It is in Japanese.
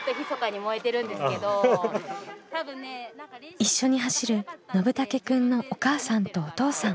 一緒に走るのぶたけくんのお母さんとお父さん。